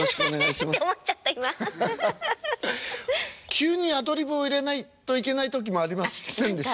急にアドリブを入れないといけない時もありませんでした？